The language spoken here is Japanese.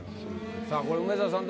さあこれ梅沢さん